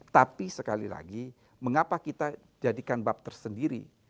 tapi sekali lagi mengapa kita jadikan bab tersendiri